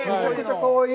かわいい。